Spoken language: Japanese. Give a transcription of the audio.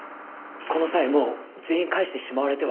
この際もう全員帰してしまわれては？